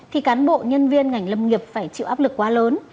thì cán bộ nhân viên ngành lâm nghiệp phải chịu áp lực quá lớn